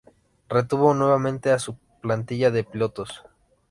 Retuvo nuevamente a su plantilla de pilotos.